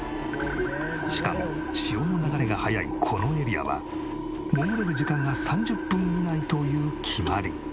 しかも潮の流れが速いこのエリアは潜れる時間が３０分以内という決まり。